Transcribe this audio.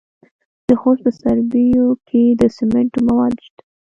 د خوست په صبریو کې د سمنټو مواد شته.